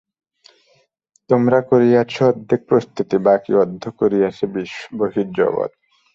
তোমরা করিয়াছ অর্ধেক প্রস্তুতি, বাকী অর্ধ করিয়াছে বহির্জগৎ।